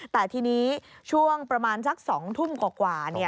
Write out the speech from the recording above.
แต่ทีนี้ช่วงประมาณสัก๒ทุ่มกว่า